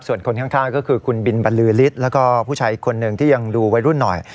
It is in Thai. ส่วนคนข้างก็คือคุณบินบรรลือฤทธิ์แล้วก็ผู้ชายอีกคนนึงที่ยังดูวัยรุ่นหน่อย